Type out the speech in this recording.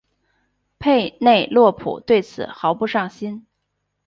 佩内洛普对此毫不上心。